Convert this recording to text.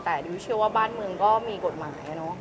แต่ดิวเชื่อว่าบ้านเมืองก็มีกฎหมาย